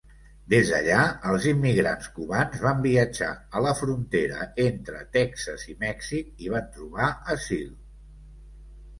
Des d"allà, els immigrants cubans van viatjar a la frontera entre Texas i Mèxic i van trobar asili.